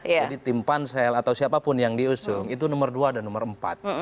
jadi tim pansel atau siapapun yang diusung itu nomor dua dan nomor empat